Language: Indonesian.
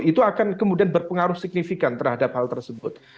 itu akan kemudian berpengaruh signifikan terhadap hal tersebut